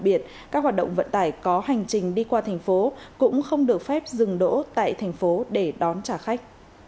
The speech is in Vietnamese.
biển các hoạt động vận tải có hành trình đi qua thành phố cũng không được phép dừng đỗ tại thành phố để đón trả khách